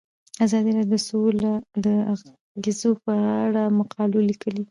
ازادي راډیو د سوله د اغیزو په اړه مقالو لیکلي.